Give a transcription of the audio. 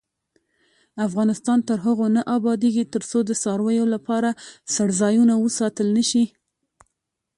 افغانستان تر هغو نه ابادیږي، ترڅو د څارویو لپاره څړځایونه وساتل نشي.